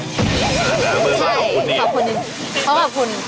มึงบอกขอคุณนะ